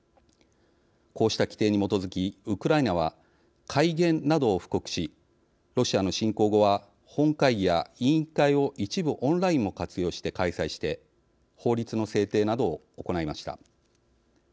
こうした規定に基づきウクライナは戒厳などを布告しロシアの侵攻後は本会議や委員会を一部オンラインも活用して開催して法律の制定などを行いました。